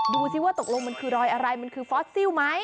ดูสิว่าตกลงมันคือรอยอะไรมันคือฟอสซิลไหม